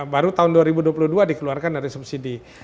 baru tahun dua ribu dua puluh dua dikeluarkan dari subsidi